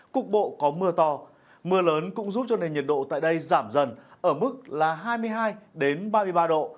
cục bộ có mưa to mưa lớn cũng giúp cho nền nhiệt độ tại đây giảm dần ở mức là hai mươi hai ba mươi ba độ